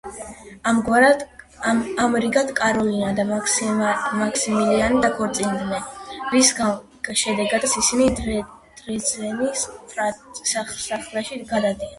ამრიგად კაროლინა და მაქსიმილიანი დაქორწინდნენ, რის შემდეგაც ისინი დრეზდენის სასახლეში გადადიან.